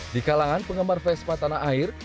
di kalangan penggemar vespa tanah air